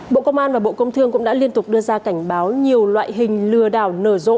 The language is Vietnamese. bộ công an và bộ công thương cũng đã liên tục đưa ra cảnh báo nhiều loại hình lừa đảo nở rộ